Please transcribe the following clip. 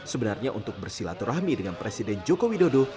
sebenarnya untuk bersilaturahmi dengan presiden joko widodo